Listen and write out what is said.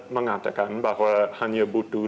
mengatakan bahwa hanya butuh